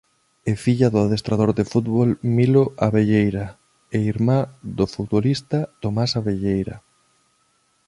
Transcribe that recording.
É filla do adestrador de fútbol Milo Abelleira e irmá do futbolista Tomás Abelleira.